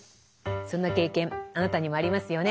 そんな経験あなたにもありますよね。